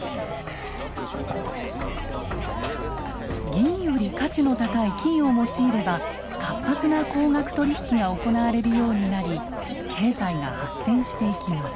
銀より価値の高い金を用いれば活発な高額取り引きが行われるようになり経済が発展していきます。